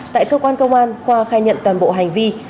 tại cơ quan công an khoa khai nhận toàn bộ hành vi